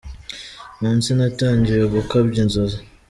munsi Natangiye gukabya inzozi.